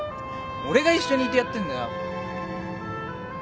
俺が一緒にいてやってんだよ。